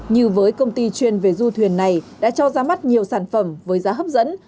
như với công ty chuyên về du thuyền này đã cho ra mắt nhiều sản phẩm với giá hấp dẫn